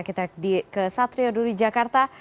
kita ke satrio dulu di jakarta